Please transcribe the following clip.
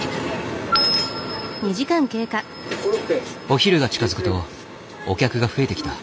お昼が近づくとお客が増えてきた。